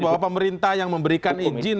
bahwa pemerintah yang memberikan izin